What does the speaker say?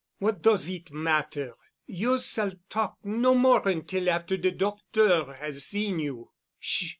"What does it matter? You s'all talk no more until after de doctor 'as seen you.